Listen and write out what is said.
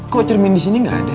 kok cermin di sini nggak ada